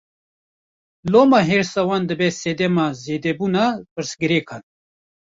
Loma hêrsa wan dibe sedema zêdebûna pirsgirêkan.